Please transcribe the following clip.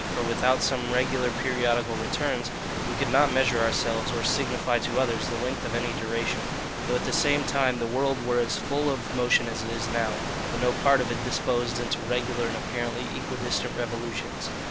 For without some regular periodical returns, we could not measure ourselves, or signify to others, the length of any duration; though at the same time the world were as full of motion as it is now, but no part of it disposed into regular and apparently equidistant revolutions.